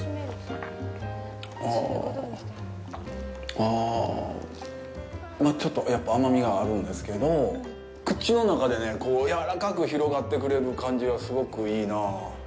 ああ、ちょっと甘みがあるんですけど口の中で柔らかく広がってくれる感じがすごくいいな。